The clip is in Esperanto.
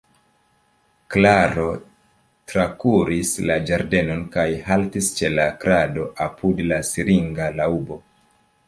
Klaro trakuris la ĝardenon kaj haltis ĉe la krado apud la siringa laŭbo.